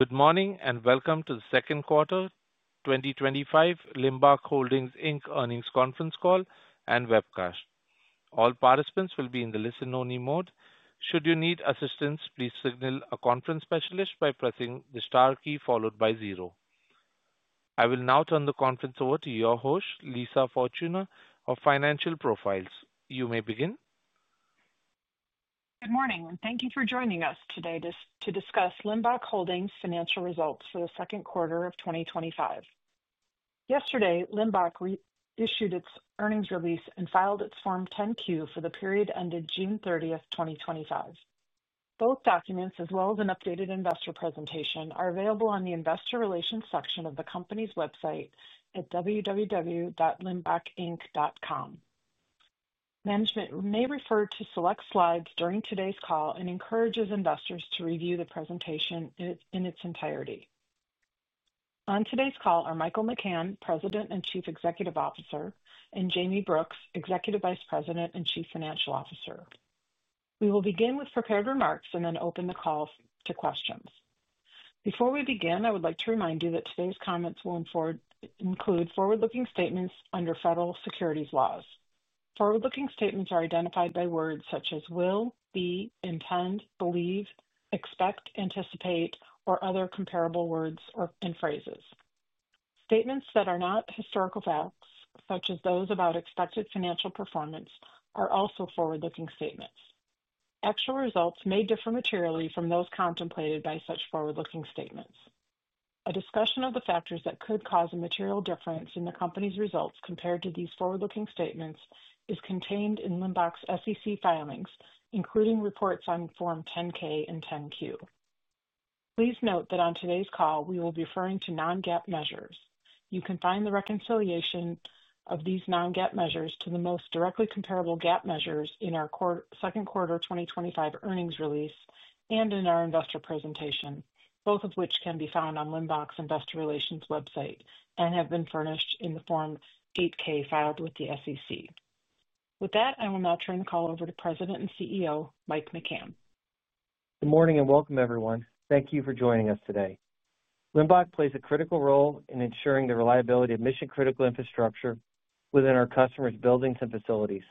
Good morning and welcome to the Second Quarter 2025 Limbach Holdings Inc Earnings Conference Call and Webcast. All participants will be in the listen-only mode. Should you need assistance, please signal a conference specialist by pressing the star key followed by zero. I will now turn the conference over to your host, Lisa Fortuna, of Financial Profiles. You may begin. Good morning and thank you for joining us today to discuss Limbach Holdings' Financial Results for the Second Quarter of 2025. Yesterday, Limbach issued its earnings release and filed its Form 10-Q for the period ended June 30, 2025. Both documents, as well as an updated investor presentation, are available on the Investor Relations section of the company's website at www.limbachinc.com. Management may refer to select slides during today's call and encourages investors to review the presentation in its entirety. On today's call are Michael McCann, President and Chief Executive Officer, and Jayme Brooks, Executive Vice President and Chief Financial Officer. We will begin with prepared remarks and then open the call to questions. Before we begin, I would like to remind you that today's comments will include forward-looking statements under federal securities laws. Forward-looking statements are identified by words such as "will," "be," "intend," "believe," "expect," "anticipate," or other comparable words or phrases. Statements that are not historical facts, such as those about expected financial performance, are also forward-looking statements. Actual results may differ materially from those contemplated by such forward-looking statements. A discussion of the factors that could cause a material difference in the company's results compared to these forward-looking statements is contained in Limbach's SEC filings, including reports on Form 10-K and 10-Q. Please note that on today's call, we will be referring to non-GAAP measures. You can find the reconciliation of these non-GAAP measures to the most directly comparable GAAP measures in our second quarter 2025 earnings release and in our investor presentation, both of which can be found on Limbach Holdings Inc.'s Investor Relations website and have been furnished in the Form 8-K filed with the SEC. With that, I will now turn the call over to President and Chief Executive Officer, Michael McCann. Good morning and welcome, everyone. Thank you for joining us today. Limbach plays a critical role in ensuring the reliability of mission-critical infrastructure within our customers' buildings and facilities.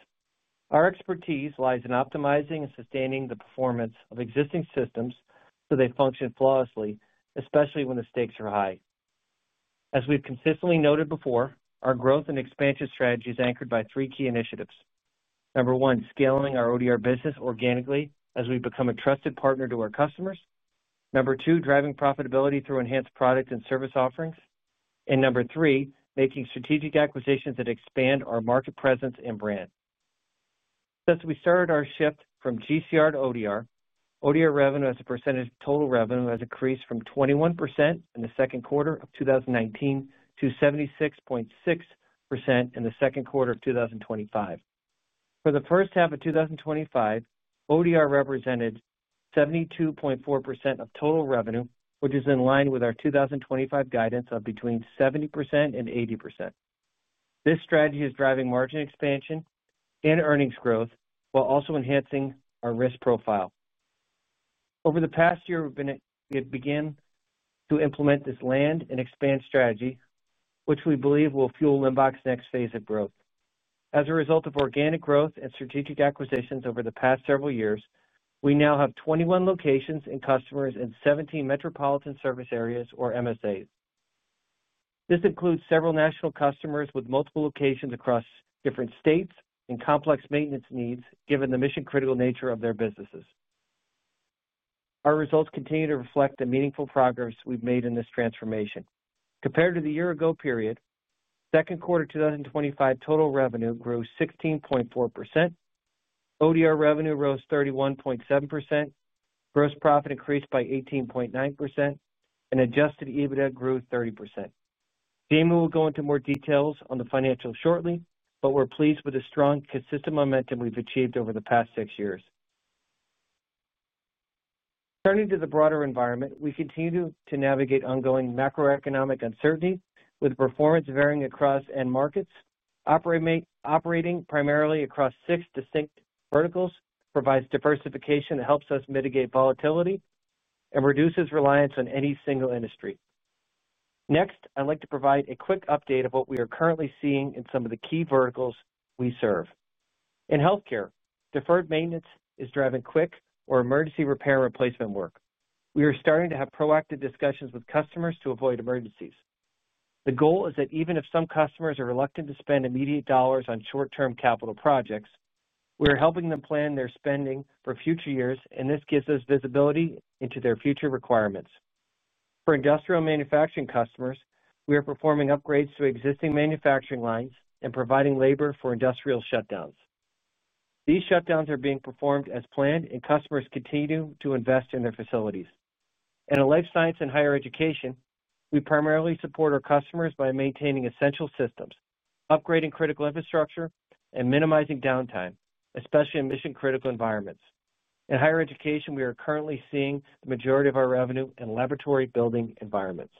Our expertise lies in optimizing and sustaining the performance of existing systems so they function flawlessly, especially when the stakes are high. As we've consistently noted before, our growth and expansion strategy is anchored by three key initiatives. Number one, scaling our ODR business organically as we become a trusted partner to our customers. Number two, driving profitability through enhanced product and service offerings. Number three, making strategic acquisitions that expand our market presence and brand. As we started our shift from GCR to ODR, ODR revenue as a percentage of total revenue has increased from 21% in the second quarter of 2019 to 76.6% in the second quarter of 2025. For the first half of 2025, ODR represented 72.4% of total revenue, which is in line with our 2025 guidance of between 70% and 80%. This strategy is driving margin expansion and earnings growth while also enhancing our risk profile. Over the past year, we began to implement this land and expand strategy, which we believe will fuel Limbach's next phase of growth. As a result of organic growth and strategic acquisitions over the past several years, we now have 21 locations and customers in 17 metropolitan service areas, or MSAs. This includes several national customers with multiple locations across different states and complex maintenance needs, given the mission-critical nature of their businesses. Our results continue to reflect the meaningful progress we've made in this transformation. Compared to the year-ago period, second quarter 2025 total revenue grew 16.4%, ODR revenue rose 31.7%, gross profit increased by 18.9%, and adjusted EBITDA grew 30%. Jeremy will go into more details on the financials shortly, but we're pleased with the strong, consistent momentum we've achieved over the past six years. Turning to the broader environment, we continue to navigate ongoing macroeconomic uncertainty, with performance varying across end markets. Operating primarily across six distinct verticals provides diversification that helps us mitigate volatility and reduces reliance on any single industry. Next, I'd like to provide a quick update of what we are currently seeing in some of the key verticals we serve. In healthcare, deferred maintenance is driving quick or emergency repair and replacement work. We are starting to have proactive discussions with customers to avoid emergencies. The goal is that even if some customers are reluctant to spend immediate dollars on short-term capital projects, we are helping them plan their spending for future years, and this gives us visibility into their future requirements. For industrial manufacturing customers, we are performing upgrades to existing manufacturing lines and providing labor for industrial shutdowns. These shutdowns are being performed as planned, and customers continue to invest in their facilities. In life science and higher education, we primarily support our customers by maintaining essential systems, upgrading critical infrastructure, and minimizing downtime, especially in mission-critical environments. In higher education, we are currently seeing the majority of our revenue in laboratory building environments.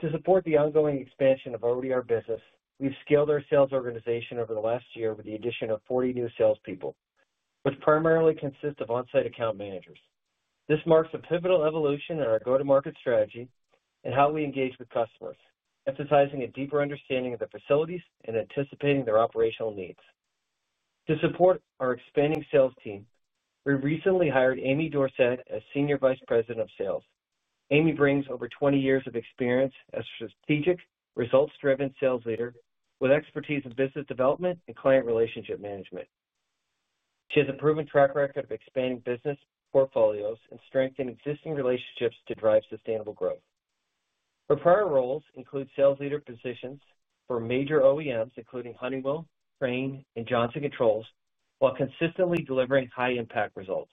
To support the ongoing expansion of ODR business, we've scaled our sales organization over the last year with the addition of 40 new salespeople, which primarily consist of onsite account managers. This marks a pivotal evolution in our go-to-market strategy and how we engage with customers, emphasizing a deeper understanding of the facilities and anticipating their operational needs. To support our expanding sales team, we recently hired Amy Dorset as Senior Vice President of Sales. Amy brings over 20 years of experience as a strategic, results-driven sales leader with expertise in business development and client relationship management. She has a proven track record of expanding business portfolios and strengthening existing relationships to drive sustainable growth. Her prior roles include sales leader positions for major OEMs including Honeywell, Crane, and Johnson Controls, while consistently delivering high-impact results.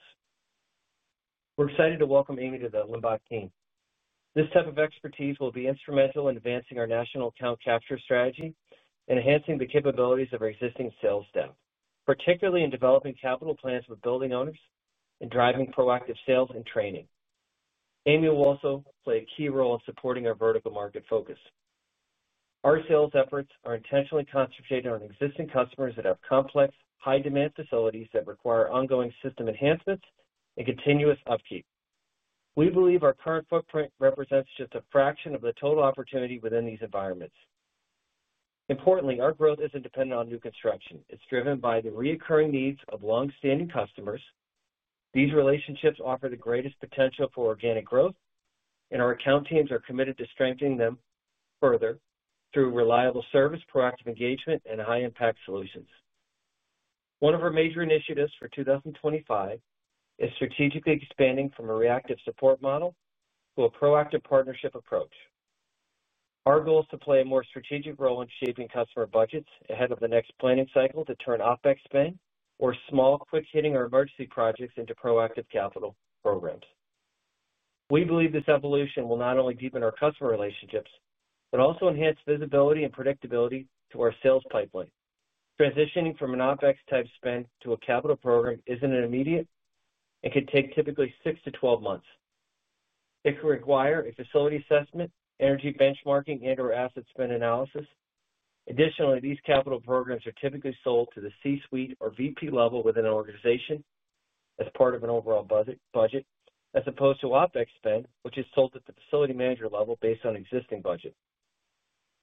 We're excited to welcome Amy to the Limbach team. This type of expertise will be instrumental in advancing our national account capture strategy and enhancing the capabilities of our existing sales staff, particularly in developing capital plans with building owners and driving proactive sales and training. Amy will also play a key role in supporting our vertical market focus. Our sales efforts are intentionally concentrated on existing customers that have complex, high-demand facilities that require ongoing system enhancements and continuous upkeep. We believe our current footprint represents just a fraction of the total opportunity within these environments. Importantly, our growth isn't dependent on new construction. It's driven by the recurring needs of longstanding customers. These relationships offer the greatest potential for organic growth, and our account teams are committed to strengthening them further through reliable service, proactive engagement, and high-impact solutions. One of our major initiatives for 2025 is strategically expanding from a reactive support model to a proactive partnership approach. Our goal is to play a more strategic role in shaping customer budgets ahead of the next planning cycle to turn OpEx spend or small, quick-hitting or emergency projects into proactive capital programs. We believe this evolution will not only deepen our customer relationships but also enhance visibility and predictability to our sales pipeline. Transitioning from an OpEx-type spend to a capital program isn't immediate and can take typically 6-12 months. It could require a facility assessment, energy benchmarking, and/or asset spend analysis. Additionally, these capital programs are typically sold to the C-suite or VP level within an organization as part of an overall budget, as opposed to OpEx spend, which is sold at the facility manager level based on existing budget.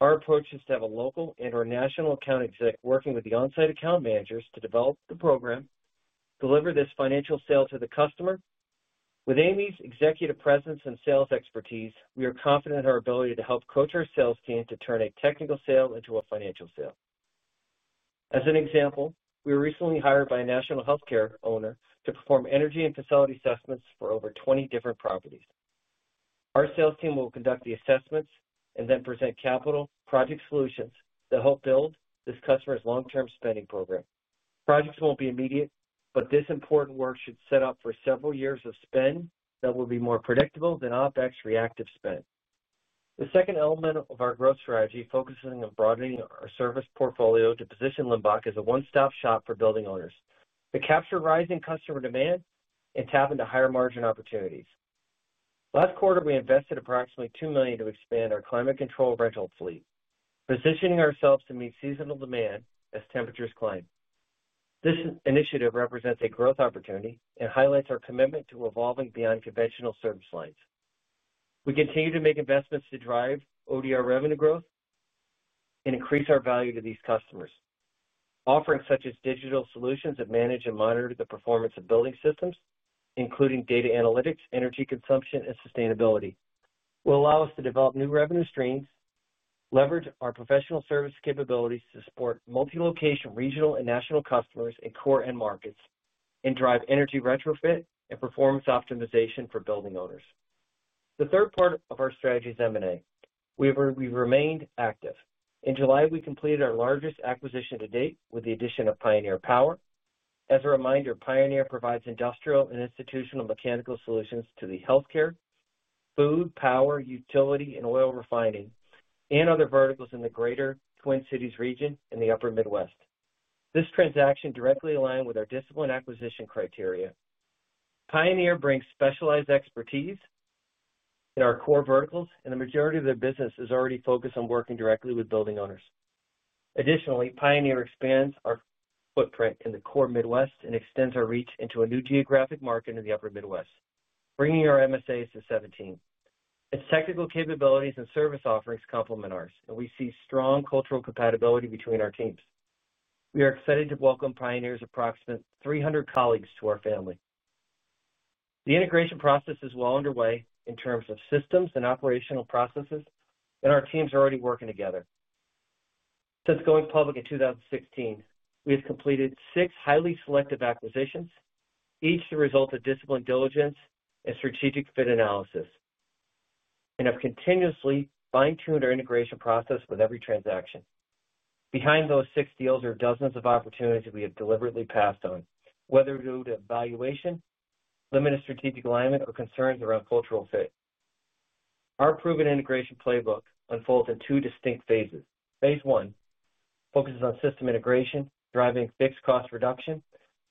Our approach is to have a local and/or national account exec working with the onsite account managers to develop the program, deliver this financial sale to the customer. With Amy's executive presence and sales expertise, we are confident in our ability to help coach our sales team to turn a technical sale into a financial sale. As an example, we were recently hired by a national healthcare owner to perform energy and facility assessments for over 20 different properties. Our sales team will conduct the assessments and then present capital project solutions that help build this customer's long-term spending program. Projects won't be immediate, but this important work should set up for several years of spend that will be more predictable than OpEx reactive spend. The second element of our growth strategy focuses on broadening our service portfolio to position Limbach as a one-stop shop for building owners to capture rising customer demand and tap into higher margin opportunities. Last quarter, we invested approximately $2 million to expand our climate control rental fleet, positioning ourselves to meet seasonal demand as temperatures climb. This initiative represents a growth opportunity and highlights our commitment to evolving beyond conventional service lines. We continue to make investments to drive ODR revenue growth and increase our value to these customers. Offerings such as digital solutions that manage and monitor the performance of building systems, including data analytics, energy consumption, and sustainability, will allow us to develop new revenue streams, leverage our professional service capabilities to support multi-location regional and national customers in core end markets, and drive energy retrofit and performance optimization for building owners. The third part of our strategy is M&A. We remained active. In July, we completed our largest acquisition to date with the addition of Pioneer Power. As a reminder, Pioneer provides industrial and institutional mechanical solutions to the healthcare, food, power, utility, oil refining, and other verticals in the Greater Twin Cities region and the Upper Midwest. This transaction directly aligned with our discipline acquisition criteria. Pioneer brings specialized expertise in our core verticals, and the majority of their business is already focused on working directly with building owners. Additionally, Pioneer expands our footprint in the core Midwest and extends our reach into a new geographic market in the Upper Midwest, bringing our MSAs to 17. Its technical capabilities and service offerings complement ours, and we see strong cultural compatibility between our teams. We are excited to welcome Pioneer's approximate 300 colleagues to our family. The integration process is well underway in terms of systems and operational processes, and our teams are already working together. Since going public in 2016, we have completed six highly selective acquisitions, each the result of discipline diligence and strategic fit analysis, and have continuously fine-tuned our integration process with every transaction. Behind those six deals are dozens of opportunities that we have deliberately passed on, whether due to valuation, limited strategic alignment, or concerns around cultural fit. Our proven integration playbook unfolds in two distinct phases. Phase I focuses on system integration, driving fixed cost reduction,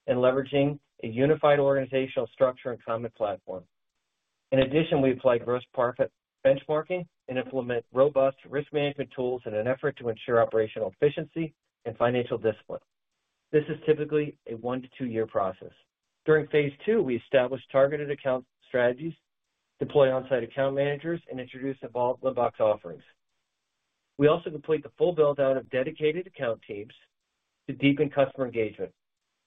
and leveraging a unified organizational structure and common platform. In addition, we apply gross profit benchmarking and implement robust risk management tools in an effort to ensure operational efficiency and financial discipline. This is typically a one to two-year process. During Phase II, we establish targeted account strategies, deploy onsite account managers, and introduce evolved Limbach's offerings. We also complete the full build-out of dedicated account teams to deepen customer engagement.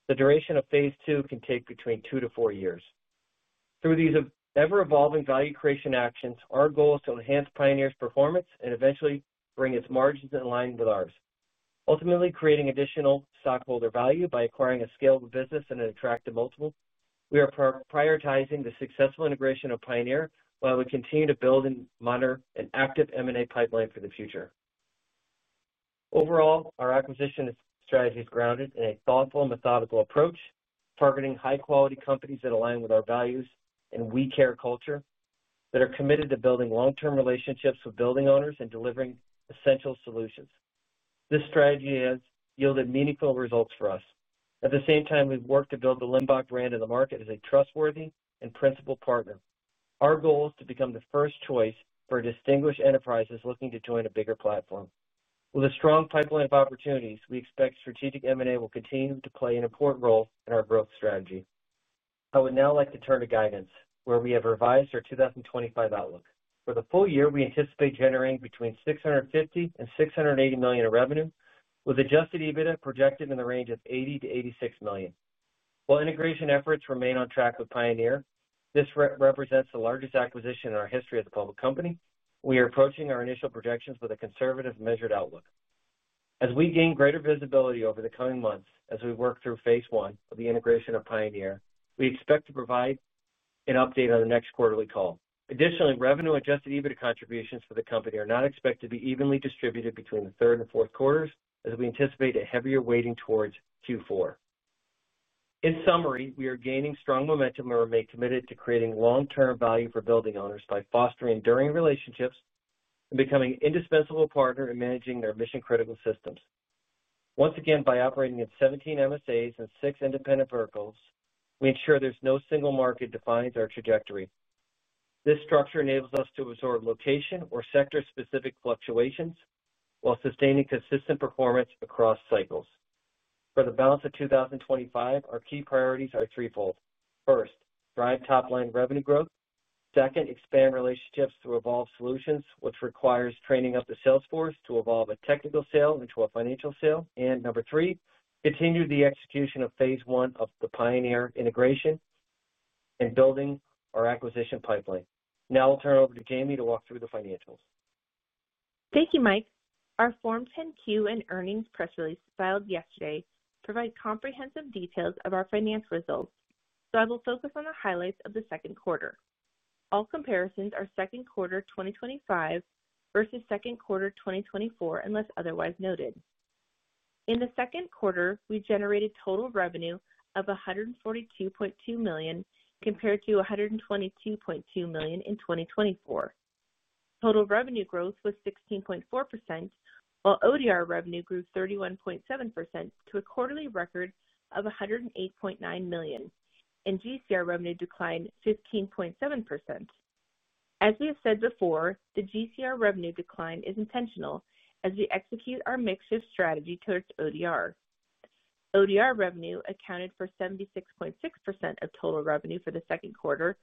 The duration of Phase II can take between two to four years. Through these ever-evolving value creation actions, our goal is to enhance Pioneer's performance and eventually bring its margins in line with ours, ultimately creating additional stockholder value by acquiring a scalable business and an attractive multiple. We are prioritizing the successful integration of Pioneer while we continue to build and monitor an active M&A pipeline for the future. Overall, our acquisition strategy is grounded in a thoughtful and methodical approach, targeting high-quality companies that align with our values and we care culture, that are committed to building long-term relationships with building owners and delivering essential solutions. This strategy has yielded meaningful results for us. At the same time, we've worked to build the Limbach brand in the market as a trustworthy and principled partner. Our goal is to become the first choice for distinguished enterprises looking to join a bigger platform. With a strong pipeline of opportunities, we expect strategic M&A will continue to play an important role in our growth strategy. I would now like to turn to guidance, where we have revised our 2025 outlook. For the full year, we anticipate generating between $650 million and $680 million in revenue, with adjusted EBITDA projected in the range of $80 million-$86 million. While integration efforts remain on track with Pioneer, this represents the largest acquisition in our history as a public company. We are approaching our initial projections with a conservative measured outlook. As we gain greater visibility over the coming months, as we work through Phase I of the integration of Pioneer, we expect to provide an update on the next quarterly call. Additionally, revenue-adjusted EBITDA contributions for the company are not expected to be evenly distributed between the third and fourth quarters, as we anticipate a heavier weighting towards Q4. In summary, we are gaining strong momentum and remain committed to creating long-term value for building owners by fostering enduring relationships and becoming an indispensable partner in managing their mission-critical systems. Once again, by operating in 17 MSAs and six independent verticals, we ensure there's no single market that defines our trajectory. This structure enables us to absorb location or sector-specific fluctuations while sustaining consistent performance across cycles. For the balance of 2025, our key priorities are threefold. First, drive top-line revenue growth. Second, expand relationships through evolved solutions, which requires training up the sales force to evolve a technical sale into a financial sale. Number three, continue the execution of Phase I of the Pioneer integration and building our acquisition pipeline. Now I'll turn it over to Jayme to walk through the financials. Thank you, Mike. Our Form 10-Q and earnings press release filed yesterday provides comprehensive details of our financial results, so I will focus on the highlights of the second quarter. All comparisons are second quarter 2025 versus second quarter 2024, unless otherwise noted. In the second quarter, we generated total revenue of $142.2 million compared to $122.2 million in 2024. Total revenue growth was 16.4%, while ODR revenue grew 31.7% to a quarterly record of $108.9 million, and GCR revenue declined 15.7%. As we have said before, the GCR revenue decline is intentional as we execute our mixed-shift strategy towards ODR. ODR revenue accounted for 76.6% of total revenue for the second quarter,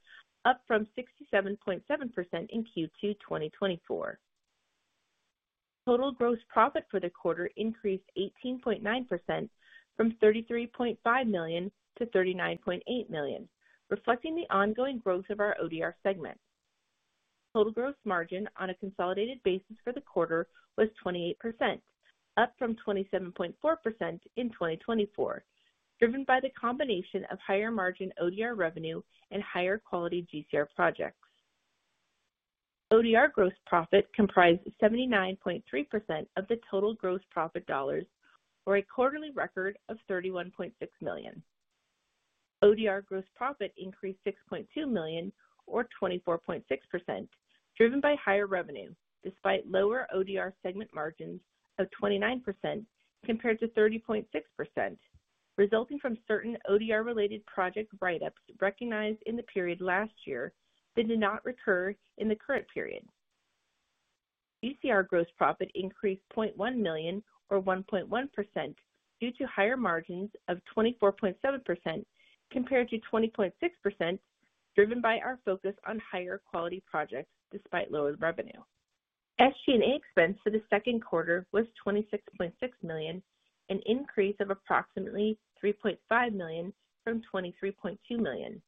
up from 67.7% in Q2 2024. Total gross profit for the quarter increased 18.9% from $33.5 million to $39.8 million, reflecting the ongoing growth of our ODR segment. Total gross margin on a consolidated basis for the quarter was 28%, up from 27.4% in 2024, driven by the combination of higher margin ODR revenue and higher quality GCR projects. ODR gross profit comprised 79.3% of the total gross profit dollars, or a quarterly record of $31.6 million. ODR gross profit increased $6.2 million, or 24.6%, driven by higher revenue, despite lower ODR segment margins of 29% compared to 30.6%, resulting from certain ODR-related project write-ups recognized in the period last year that did not recur in the current period. GCR gross profit increased $0.1 million, or 1.1%, due to higher margins of 24.7% compared to 20.6%, driven by our focus on higher quality projects despite lower revenue. SG&A expense for the second quarter was $26.6 million, an increase of approximately $3.5 million from $23.2 million.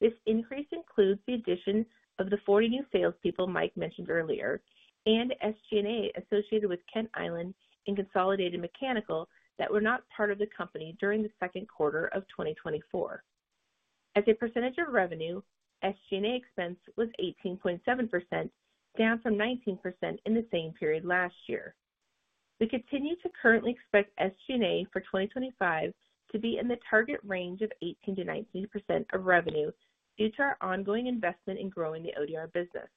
This increase includes the addition of the 40 new salespeople Mike mentioned earlier and SG&A associated with Kent Island Mechanical and Consolidated Mechanical that were not part of the company during the second quarter of 2024. As a percentage of revenue, SG&A expense was 18.7%, down from 19% in the same period last year. We continue to currently expect SG&A for 2025 to be in the target range of 18% to 19% of revenue due to our ongoing investment in growing the ODR business.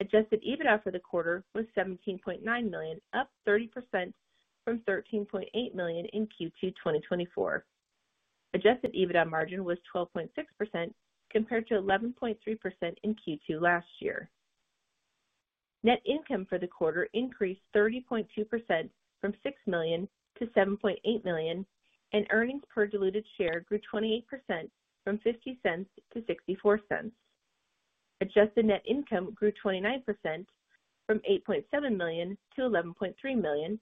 Adjusted EBITDA for the quarter was $17.9 million, up 30% from $13.8 million in Q2 2024. Adjusted EBITDA margin was 12.6% compared to 11.3% in Q2 last year. Net income for the quarter increased 30.2% from $6 million to $7.8 million, and earnings per diluted share grew 28% from $0.50 to $0.64. Adjusted net income grew 29% from $8.7 million to $11.3 million,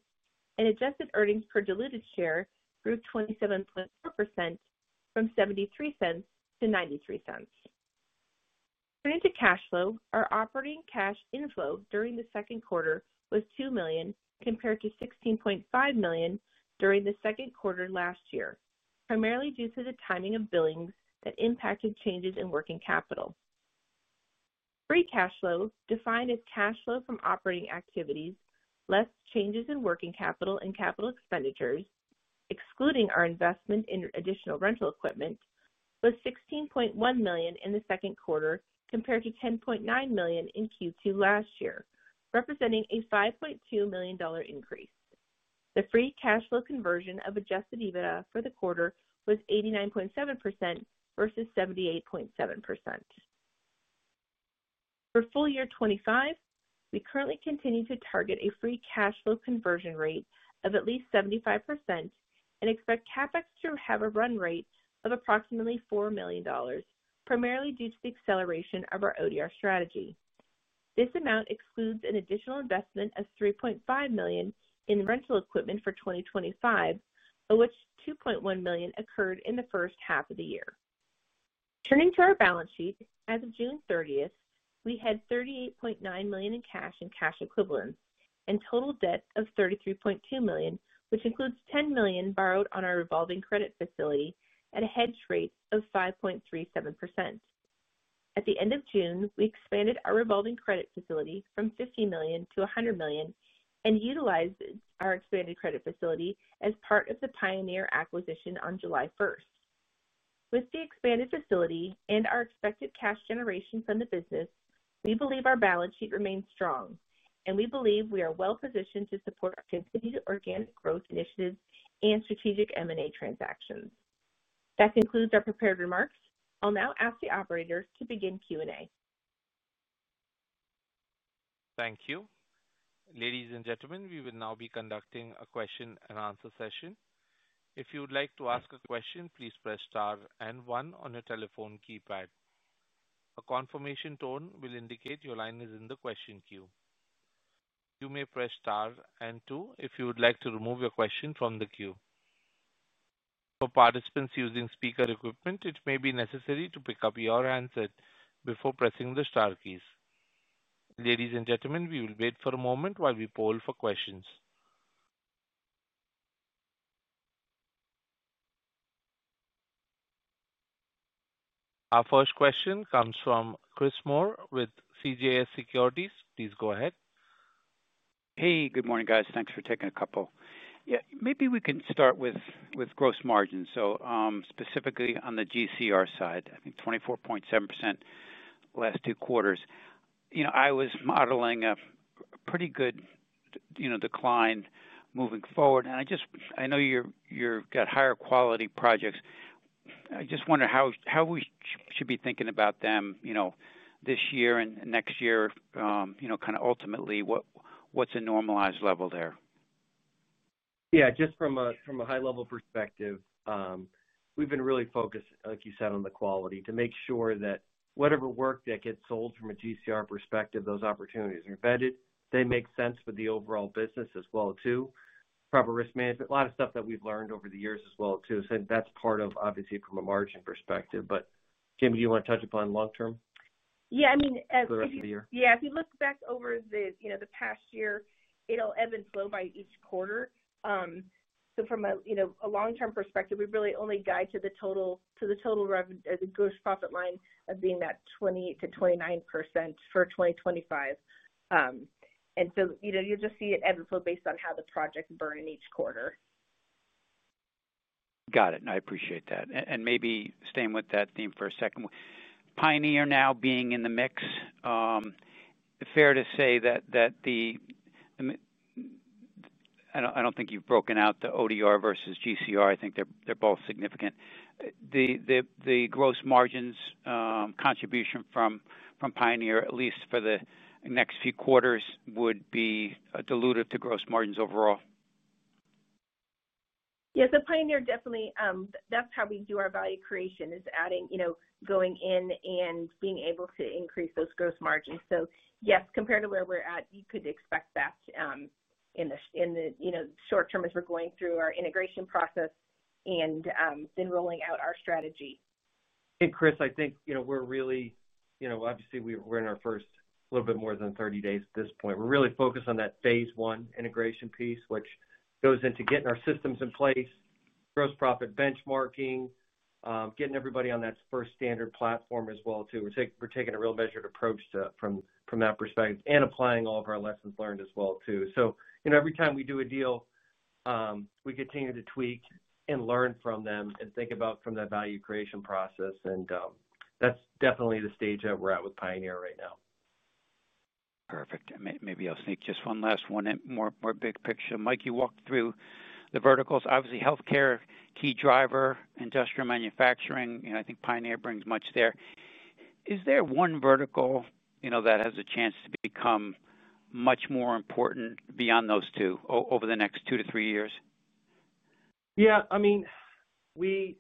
and adjusted earnings per diluted share grew 27.2% from $0.73 to $0.93. Turning to cash flow, our operating cash inflow during the second quarter was $2 million compared to $16.5 million during the second quarter last year, primarily due to the timing of billings that impacted changes in working capital. Free cash flow, defined as cash flow from operating activities less changes in working capital and capital expenditures, excluding our investment in additional rental equipment, was $16.1 million in the second quarter compared to $10.9 million in Q2 last year, representing a $5.2 million increase. The free cash flow conversion of adjusted EBITDA for the quarter was 89.7% versus 78.7%. For full year 2025, we currently continue to target a free cash flow conversion rate of at least 75% and expect CapEx to have a run rate of approximately $4 million, primarily due to the acceleration of our ODR strategy. This amount excludes an additional investment of $3.5 million in rental equipment for 2025, of which $2.1 million occurred in the first half of the year. Turning to our balance sheet, as of June 30, we had $38.9 million in cash and cash equivalents and total debt of $33.2 million, which includes $10 million borrowed on our revolving credit facility at a hedge rate of 5.37%. At the end of June, we expanded our revolving credit facility from $50 million to $100 million and utilized our expanded credit facility as part of the Pioneer acquisition on July 1. With the expanded facility and our expected cash generation from the business, we believe our balance sheet remains strong, and we believe we are well positioned to support our continued organic growth initiatives and strategic M&A transactions. That concludes our prepared remarks. I'll now ask the operators to begin Q&A. Thank you. Ladies and gentlemen, we will now be conducting a question and answer session. If you would like to ask a question, please press star and one on your telephone keypad. A confirmation tone will indicate your line is in the question queue. You may press star and two if you would like to remove your question from the queue. For participants using speaker equipment, it may be necessary to pick up your handset before pressing the star keys. Ladies and gentlemen, we will wait for a moment while we poll for questions. Our first question comes from Chris Moore with CJS Securities. Please go ahead. Hey, good morning guys. Thanks for taking a couple. Maybe we can start with gross margins. Specifically on the GCR side, I think 24.7% last two quarters. I was modeling a pretty good decline moving forward. I know you've got higher quality projects. I just wonder how we should be thinking about them this year and next year, kind of ultimately what's a normalized level there? Yeah, just from a high-level perspective, we've been really focused, like you said, on the quality to make sure that whatever work that gets sold from a GCR perspective, those opportunities are vetted. They make sense for the overall business as well too. Proper risk management, a lot of stuff that we've learned over the years as well too. That's part of obviously from a margin perspective. Jayme, do you want to touch upon long-term? Yeah, I mean, as. Gross for the year. If you look back over the past year, it'll ebb and flow by each quarter. From a long-term perspective, we really only guide to the total revenue as a gross profit line of being that 28%-29% for 2025. You'll just see it ebb and flow based on how the project burned in each quarter. Got it. I appreciate that. Maybe staying with that theme for a second, Pioneer now being in the mix, fair to say that the, I don't think you've broken out the ODR versus GCR. I think they're both significant. The gross margins contribution from Pioneer, at least for the next few quarters, would be diluted to gross margins overall. Yes, the Pioneer definitely, that's how we do our value creation, is adding, you know, going in and being able to increase those gross margins. Yes, compared to where we're at, you could expect that in the short term as we're going through our integration process and then rolling out our strategy. Hey, Chris, I think we're really, obviously we're in our first, a little bit more than 30 days at this point. We're really focused on that Phase I integration piece, which goes into getting our systems in place, gross profit benchmarking, getting everybody on that first standard platform as well. We're taking a real measured approach from that perspective and applying all of our lessons learned as well. Every time we do a deal, we continue to tweak and learn from them and think about from that value creation process. That's definitely the stage that we're at with Pioneer Power right now. Perfect. Maybe I'll sneak just one last one, more big picture. Mike, you walked through the verticals, obviously healthcare, key driver, industrial manufacturing, and I think Pioneer brings much there. Is there one vertical, you know, that has a chance to become much more important beyond those two over the next two to three years? Yeah, I mean, we've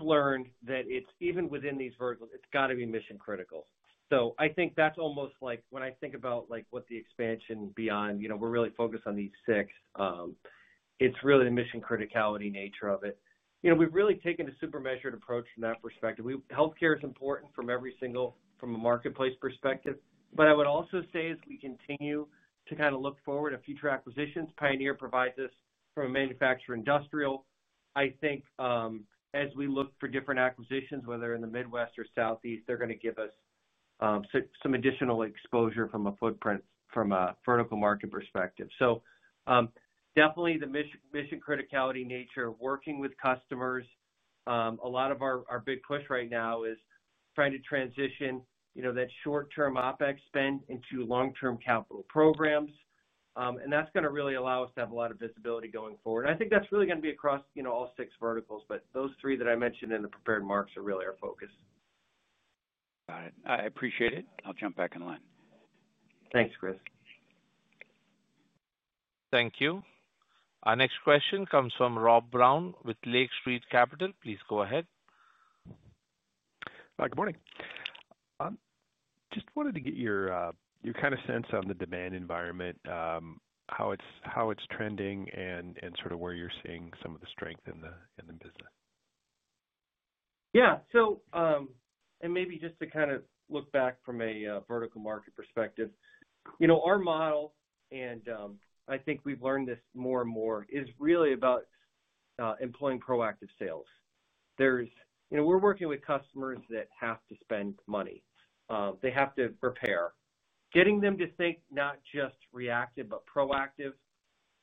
learned that it's even within these verticals, it's got to be mission-critical. I think that's almost like when I think about what the expansion beyond, you know, we're really focused on these six. It's really the mission-criticality nature of it. We've really taken a super measured approach from that perspective. Healthcare is important from every single, from a marketplace perspective. I would also say as we continue to kind of look forward to future acquisitions, Pioneer provides us from a manufacturer industrial. I think as we look for different acquisitions, whether in the Midwest or Southeast, they're going to give us some additional exposure from a footprint, from a vertical market perspective. Definitely the mission-criticality nature of working with customers. A lot of our big push right now is trying to transition, you know, that short-term OpEx spend into long-term capital programs. That's going to really allow us to have a lot of visibility going forward. I think that's really going to be across, you know, all six verticals, but those three that I mentioned in the prepared marks are really our focus. Got it. I appreciate it. I'll jump back in line. Thanks, Chris. Thank you. Our next question comes from Rob Brown with Lake Street Capital. Please go ahead. Good morning. I just wanted to get your sense on the demand environment, how it's trending, and where you're seeing some of the strength in the business. Yeah, so maybe just to kind of look back from a vertical market perspective, you know, our model, and I think we've learned this more and more, is really about employing proactive sales. There's, you know, we're working with customers that have to spend money. They have to repair. Getting them to think not just reactive, but proactive,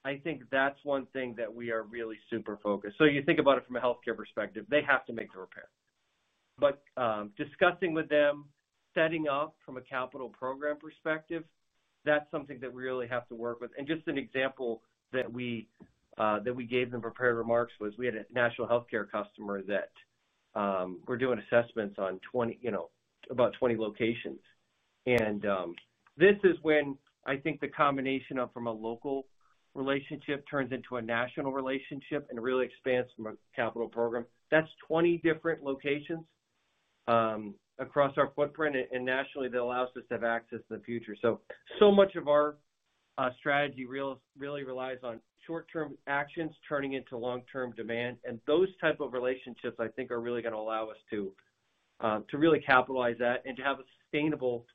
I think that's one thing that we are really super focused on. You think about it from a healthcare perspective, they have to make the repair. Discussing with them, setting up from a capital program perspective, that's something that we really have to work with. Just an example that we gave in prepared remarks was we had a national healthcare customer that we're doing assessments on about 20 locations. This is when I think the combination of a local relationship turns into a national relationship and really expands from a capital program. That's 20 different locations across our footprint and nationally that allows us to have access in the future. So much of our strategy really relies on short-term actions turning into long-term demand. Those types of relationships, I think, are really going to allow us to really capitalize on that and to have a sustainable,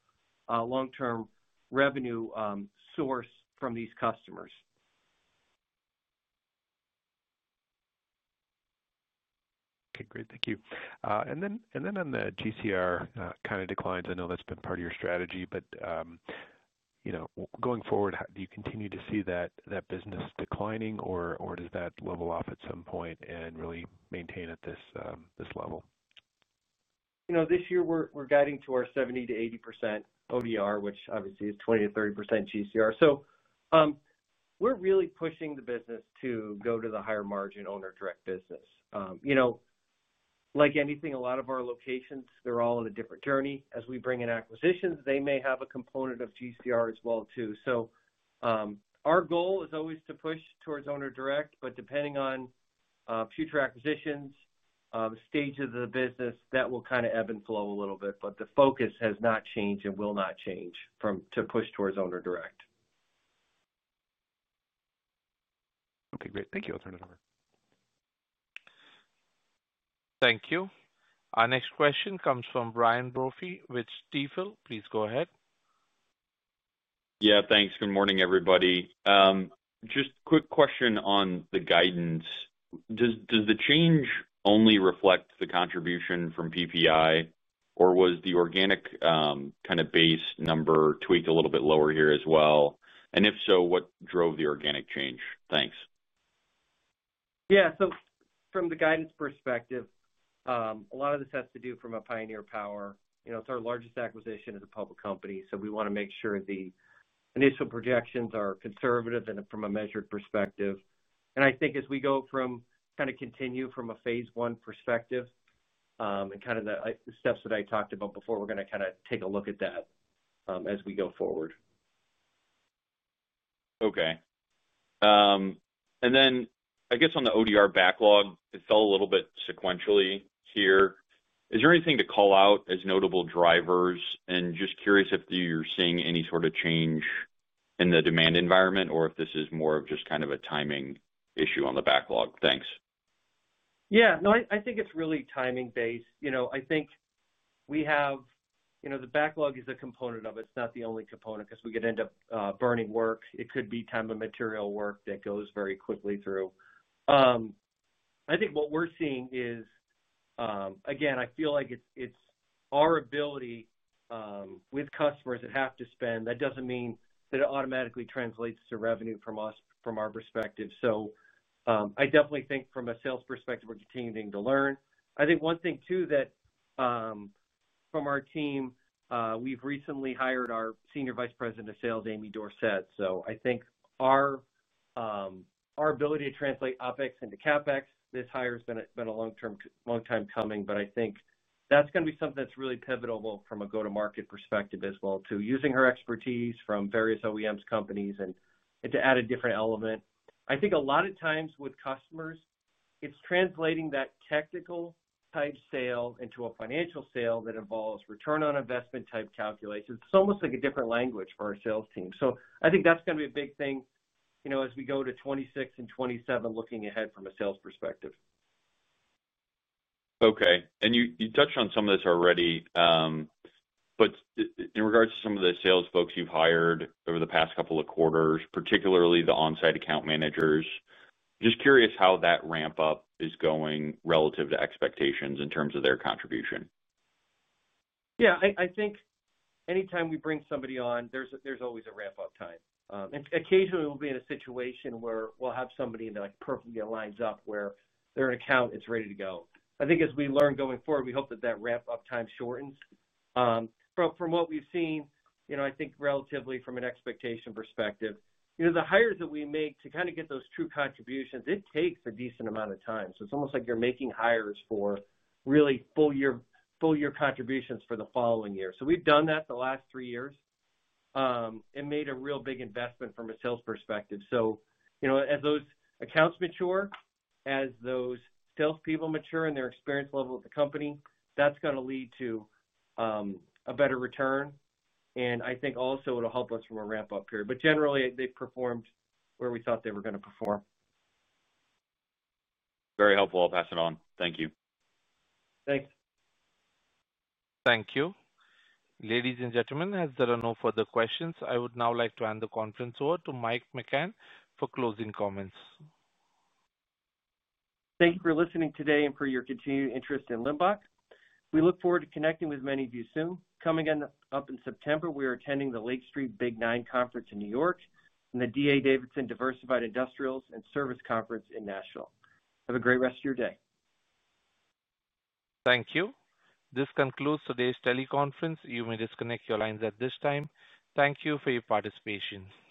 long-term revenue source from these customers. Okay, great. Thank you. On the GCR kind of declines, I know that's been part of your strategy, but going forward, do you continue to see that business declining, or does that level off at some point and really maintain at this level? This year we're guiding to our 70%-80% ODR, which obviously is 20%-30% GCR. We're really pushing the business to go to the higher margin owner-direct business. Like anything, a lot of our locations, they're all in a different journey. As we bring in acquisitions, they may have a component of GCR as well. Our goal is always to push towards owner-direct, but depending on future acquisitions and the stage of the business, that will kind of ebb and flow a little bit. The focus has not changed and will not change to push towards owner-direct. Okay, great. Thank you. I'll turn it over. Thank you. Our next question comes from Brian Brophy with Stifel. Please go ahead. Yeah, thanks. Good morning, everybody. Just a quick question on the guidance. Does the change only reflect the contribution from Pioneer Power, or was the organic, kind of base number tweaked a little bit lower here as well? If so, what drove the organic change? Thanks. Yeah, so from the guidance perspective, a lot of this has to do from a Pioneer Power. You know, it's our largest acquisition as a public company, so we want to make sure the initial projections are conservative and from a measured perspective. I think as we go from kind of continue from a Phase I perspective, and kind of the steps that I talked about before, we're going to kind of take a look at that as we go forward. Okay. On the ODR backlog, it fell a little bit sequentially here. Is there anything to call out as notable drivers? Just curious if you're seeing any sort of change in the demand environment or if this is more of just kind of a timing issue on the backlog. Thanks. Yeah, no, I think it's really timing-based. I think we have the backlog as a component of it. It's not the only component because we get into burning work. It could be time and material work that goes very quickly through. I think what we're seeing is, again, I feel like it's our ability with customers that have to spend. That doesn't mean that it automatically translates to revenue from us, from our perspective. I definitely think from a sales perspective, we're continuing to learn. One thing too that, from our team, we've recently hired our Senior Vice President of Sales, Amy Dorset. I think our ability to translate OpEx into CapEx, this hire has been a long time coming, but I think that's going to be something that's really pivotal from a go-to-market perspective as well, using her expertise from various OEMs and to add a different element. I think a lot of times with customers, it's translating that technical type sale into a financial sale that involves return on investment type calculations. It's almost like a different language for our sales team. I think that's going to be a big thing as we go to 2026 and 2027, looking ahead from a sales perspective. Okay. You touched on some of this already, but in regards to some of the sales folks you've hired over the past couple of quarters, particularly the onsite account managers, I'm just curious how that ramp-up is going relative to expectations in terms of their contribution. Yeah, I think anytime we bring somebody on, there's always a ramp-up time. Occasionally, we'll be in a situation where we'll have somebody that perfectly aligns up where they're an account, it's ready to go. I think as we learn going forward, we hope that that ramp-up time shortens. From what we've seen, I think relatively from an expectation perspective, the hires that we make to kind of get those true contributions, it takes a decent amount of time. It's almost like you're making hires for really full-year contributions for the following year. We've done that the last three years and made a real big investment from a sales perspective. As those accounts mature, as those salespeople mature in their experience level with the company, that's going to lead to a better return. I think also it'll help us from a ramp-up period. Generally, they performed where we thought they were going to perform. Very helpful. I'll pass it on. Thank you. Thanks. Thank you. Ladies and gentlemen, as there are no further questions, I would now like to hand the conference over to Michael McCann for closing comments. Thank you for listening today and for your continued interest in Limbach. We look forward to connecting with many of you soon. Coming up in September, we are attending the Lake Street Big Nine Conference in New York and the D.A. Davidson Diversified Industrials and Service Conference in Nashville. Have a great rest of your day. Thank you. This concludes today's teleconference. You may disconnect your lines at this time. Thank you for your participation.